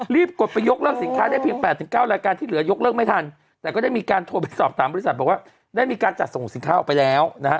กดไปยกเลิกสินค้าได้เพียง๘๙รายการที่เหลือยกเลิกไม่ทันแต่ก็ได้มีการโทรไปสอบถามบริษัทบอกว่าได้มีการจัดส่งสินค้าออกไปแล้วนะฮะ